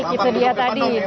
baik itu dia tadi